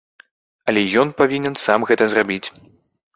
Але ён павінен сам гэта зрабіць.